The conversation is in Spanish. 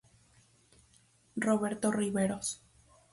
Roberto Riveros.